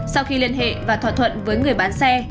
sau khi liên hệ và thỏa thuận với người bán xe